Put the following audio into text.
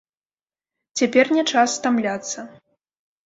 Цяпер не час стамляцца.